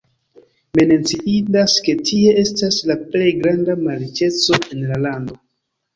Menciindas, ke tie estas la plej granda malriĉeco en la lando.